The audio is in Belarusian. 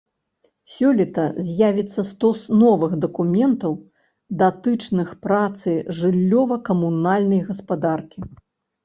Сёлета з'явіцца стос новых дакументаў, датычных працы жыллёва-камунальнай гаспадаркі.